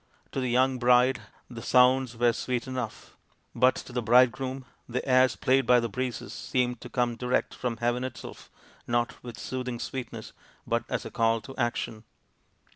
To the young bride the sounds were sweet enough, but to the bridegroom the airs played by the breezes seemed to come direct from heaven itself, not with soothing sweetness, but as a call to action.